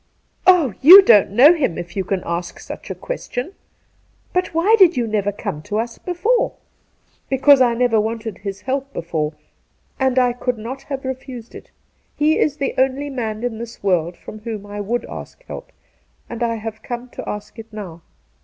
' Oh, you don't know him if you can ask such a question. But why did you never come to us before ?'' Because I never wanted his help before, and I could not have refused it. He is the only man in this world from whom I would ask help, and I have come to ask it now.